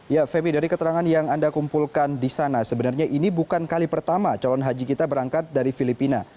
ya femi dari keterangan yang anda kumpulkan di sana sebenarnya ini bukan kali pertama calon haji kita berangkat dari filipina